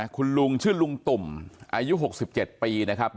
คุณลุงชื่อลุงตุ่มอายุหกสิบเจ็ดปีนะครับ